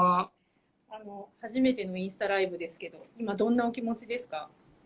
初めてのインスタライブですけど、今、どんなお気持ちですか。